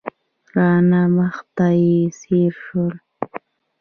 راڼه مخ ته یې ځېر شوم.